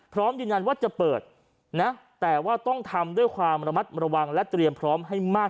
พร้อมยืนยันว่าจะเปิดนะแต่ว่าต้องทำด้วยความระมัดระวังและเตรียมพร้อมให้มาก